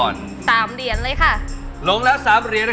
อ๋อเรียบเล่นเรียบจบ